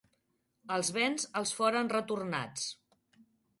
Els béns els foren retornats.